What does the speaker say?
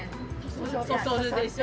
そそるでしょ？